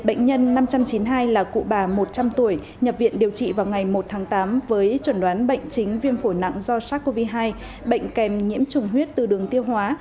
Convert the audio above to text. bệnh nhân mắc covid một mươi chín được xuất viện vào ngày một tháng tám với chuẩn đoán bệnh chính viêm phổi nặng do sars cov hai bệnh kèm nhiễm trùng huyết từ đường tiêu hóa